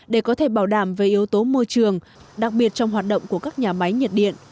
để có thể bảo đảm về yếu tố môi trường đặc biệt trong hoạt động của các nhà máy nhiệt điện